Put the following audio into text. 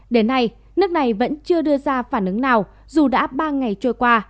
đến nay nước này vẫn chưa đưa ra phản ứng nào dù đã ba ngày trôi qua